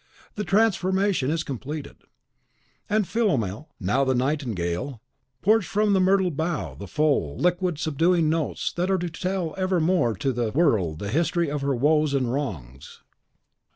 The transformation is completed; and Philomel, now the nightingale, pours from the myrtle bough the full, liquid, subduing notes that are to tell evermore to the world the history of her woes and wrongs.